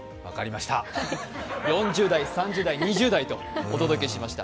４０代、３０代、２０代とお届けしました。